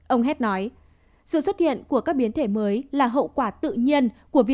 ông hed nói sự xuất hiện của các biến thể mới là hậu quả tự nhiên của virus